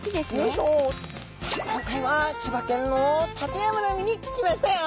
今回は千葉県の館山の海に来ましたよ。